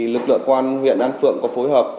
lực lượng quan huyện đan phượng có phối hợp